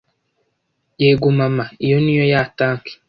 Yego mama iyo ni yo tanki